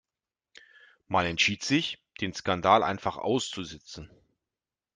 Man entschied sich, den Skandal einfach auszusitzen.